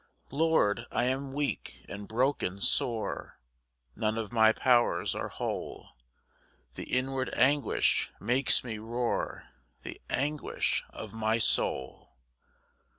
5 Lord, I am weak, and broken sore, None of my powers are whole; The inward anguish makes me roar, The anguish of my soul.